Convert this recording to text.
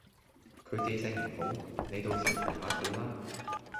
佢記性唔好，你到時提下佢啦